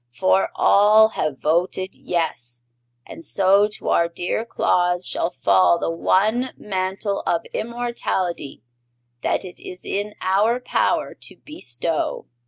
For all have voted 'yes,' and so to our dear Claus shall fall the one Mantle of Immortality that it is in our power to bestow!"